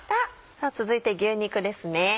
さぁ続いて牛肉ですね。